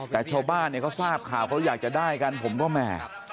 แต่ชาวบ้านเนี่ยเขาทราบข่าวเขาอยากจะได้กันผมก็แหม่